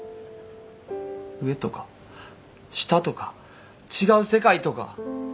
上とか下とか違う世界とか。